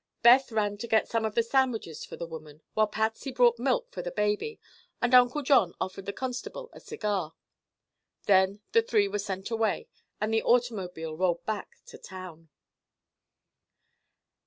Beth ran to get some of the sandwiches for the woman, while Patsy brought milk for the baby and Uncle John offered the constable a cigar. Then the three were sent away and the automobile rolled back to town.